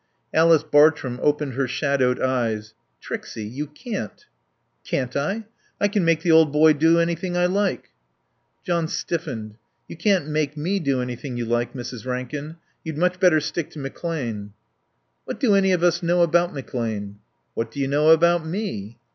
Alice Bartrum opened her shadowed eyes. "Trixie you can't." "Can't I? I can make the old boy do anything I like." John stiffened. "You can't make me do anything you like, Mrs. Rankin. You'd much better stick to McClane." "What do any of us know about McClane?" "What do you know about me?"